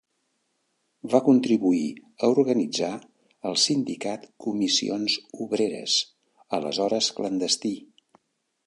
Va contribuir a organitzar el sindicat Comissions Obreres, aleshores clandestí.